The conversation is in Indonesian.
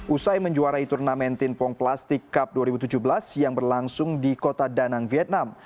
usai menjuarai turnamen timpong plastik cup dua ribu tujuh belas yang berlangsung di kota danang vietnam